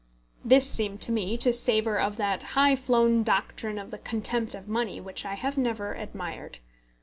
This seemed to me to savour of that high flown doctrine of the contempt of money which I have never admired.